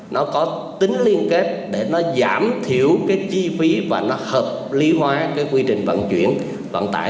nó có tính liên kết để nó giảm thiểu cái chi phí và nó hợp lý hóa cái quy trình vận chuyển vận tải